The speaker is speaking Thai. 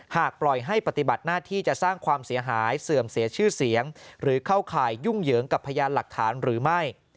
หากปล่อยให้ปฏิบัติหน้าที่จะสร้างความเสียหายเสื่อมเสียชื่อเสียงหรือเข้าข่ายยุ่งเหยิงกับพยานหลักฐานหรือไม่